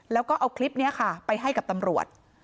แล้วก็เอาคลิปนี้ค่ะไปให้กับตำรวจ